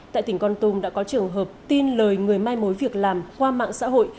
tại tỉnh con tum đã có trường hợp tin lời người mai mối việc làm qua mạng xã hội